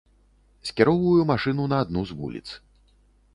Скіроўваю машыну на адну з вуліц.